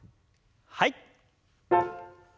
はい。